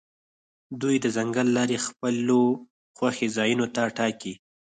دوی د ځنګل لارې خپلو خوښې ځایونو ته ټاکي